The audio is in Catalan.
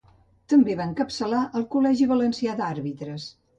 També va encapçalar el col·legi valencià d'àrbitres.